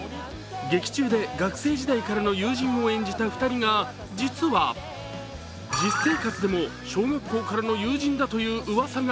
劇中で学生時代からの友人を演じた２人が実生活でも小学校からの友人だといううわさが。